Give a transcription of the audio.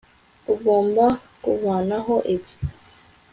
Ugomba kuvanaho ibi